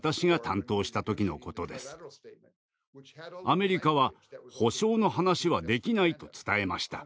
アメリカは「保障」の話はできないと伝えました。